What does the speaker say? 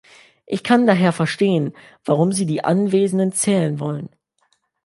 Ich kann daher verstehen, warum Sie die Anwesenden zählen wollen.